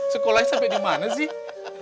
sekolahnya sampai dimana sih